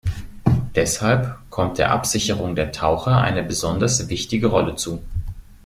Deshalb kommt der Absicherung der Taucher eine besonders wichtige Rolle zu.